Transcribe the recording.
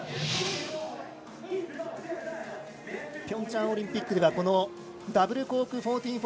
ピョンチャンオリンピックではダブルコーク１４４０